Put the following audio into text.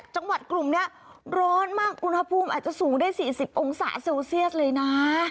จังหวัดกลุ่มนี้ร้อนมากอุณหภูมิอาจจะสูงได้๔๐องศาเซลเซียสเลยนะ